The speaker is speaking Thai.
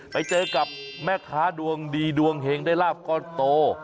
ไปเจอกับแม่ค้าดวงดีดวงเฮงได้ลาบก้อนโต